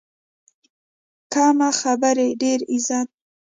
کم خبرې، ډېر عزت.